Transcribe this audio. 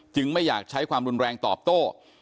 ไม่อยากใช้ความรุนแรงตอบโต้